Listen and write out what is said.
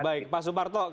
baik pak subarto